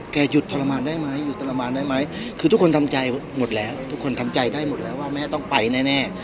หยุดทรมานได้ไหมหยุดทรมานได้ไหมคือทุกคนทำใจหมดแล้วทุกคนทำใจได้หมดแล้วว่าแม่ต้องไปแน่